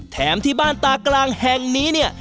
แถมที่บ้านตากลางแห่งนี้เนี่ย